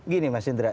gini mas indra